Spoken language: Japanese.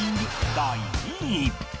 第２位